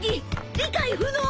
理解不能！